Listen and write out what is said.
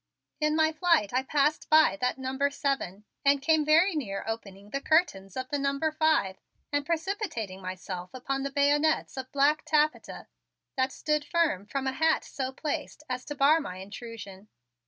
In my flight I passed by that number of seven and came very near opening the curtains of the number of five and precipitating myself upon the bayonets of black taffeta that stood firm from a hat so placed as to bar my intrusion.